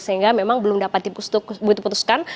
karena memang belum dapat diputuskan